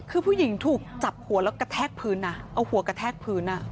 คือผู้หญิงถูกจับหัวแล้วกระแทกพื้นนะเอาหัวกระแทกพื้น